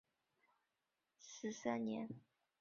弘治十三年卒于任。